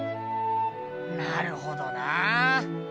なるほどなあ。